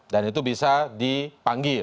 dan itu bisa dipanggil